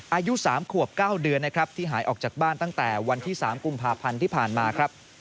อายุ๓ขวบ๙เดือนนะครับที่หายออกจากบ้านตั้งแต่วันที่๓กุมภาพันธ์ที่ผ่านมาครับ